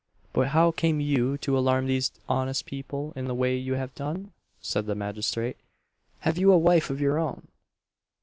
"But how came you to alarm these honest people in the way you have done?" said the magistrate "have you a wife of your own?"